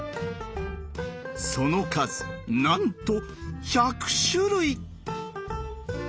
その数なんと１００種類！